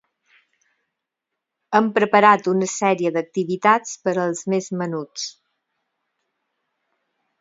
Hem preparat una sèrie d'activitats per als més menuts.